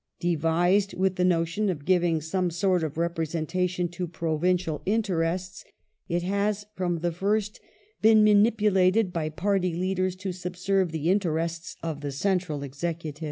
Devised with the notion of giving some sort of representation to provincial interests, it has, from the first, been manipulated by party leaders to subserve the interests of the central Executive.